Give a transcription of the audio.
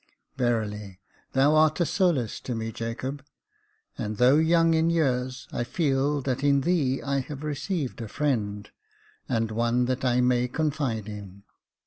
Verily, thou art a solace to me, Jacob ; and though young in years, I feel that in thee I have received a friend, and one that I may confide in.